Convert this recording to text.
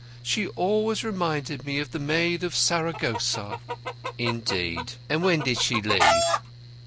She always reminded me of the Maid of Saragossa." "Indeed! And when did she leave?"